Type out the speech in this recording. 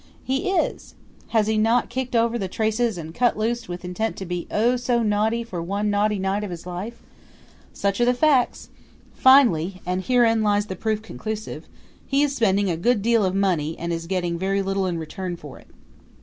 He is! Has he not kicked over the traces and cut loose with intent to be oh, so naughty for one naughty night of his life? Such are the facts. Finally, and herein lies the proof conclusive, he is spending a good deal of money and is getting very little in return for it.